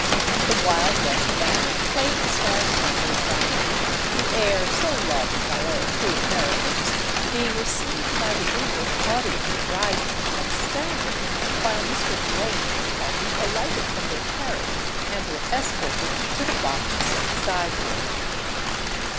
The Wild West band played the "Star Spangled Banner," the air so loved by all true Americans being received by the English audience rising, and standing while Mr. Blaine and party alighted from their carriage and were escorted to the box set aside for them.